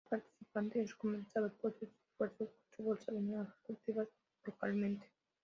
Cada participante es recompensado por sus esfuerzos con una bolsa de naranjas cultivadas localmente.